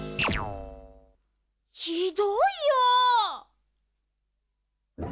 ひどいよ！